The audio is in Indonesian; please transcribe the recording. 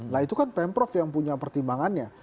nah itu kan pm prof yang punya pertimbangannya